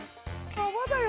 あわだよ！